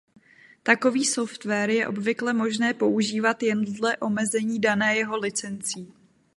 Takový software je obvykle možné používat jen dle omezení dané jeho licencí.